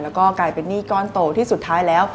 แล้วก็กลายเป็นหนี้ก้อนโตที่สุดท้ายแล้ว